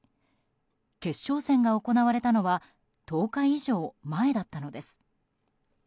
決勝戦が行われたのは１０日以上前だったのです。